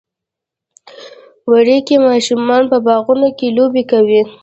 وری کې ماشومان په باغونو کې لوبې کوي.